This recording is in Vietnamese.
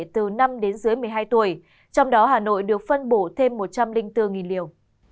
từ năm đến dưới một mươi hai tuổi trong đó hà nội được phân bổ thêm một trăm linh bốn liều